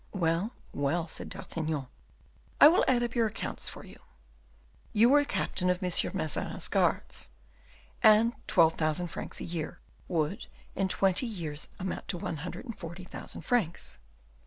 "Well, well," said D'Artagnan, "I will add up your accounts for you: you were captain of M. Mazarin's guards; and twelve thousand francs a year would in twelve years amount to one hundred and forty thousand francs."